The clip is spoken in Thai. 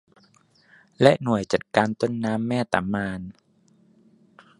และหน่วยจัดการต้นน้ำแม่ตะมาน